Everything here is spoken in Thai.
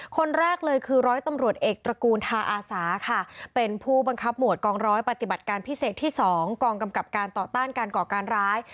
คนแรกเลยคือร้อยตำรวจเอกตระกูลทาอาสาค่ะเป็นผู้บังคับหมวดกองร้อยปฏิบัติการพิเศษที่๒กองกำกับการต่อต้านการก่อการร้าย